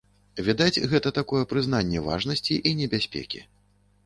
Відаць, гэта такое прызнанне важнасці і небяспекі.